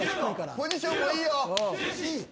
ポジションもいいよ。